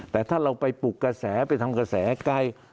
แต่ถ้าเราไปปลุกกระแสไปทำกระแสไกล